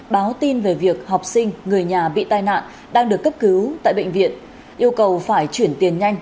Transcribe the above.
báo tin về việc học sinh người nhà bị tai nạn đang được cấp cứu tại bệnh viện yêu cầu phải chuyển tiền nhanh